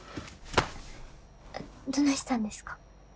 どないしたんですか？